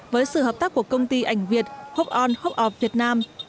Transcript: với sự hợp tác của công ty ảnh việt hope on hope off việt nam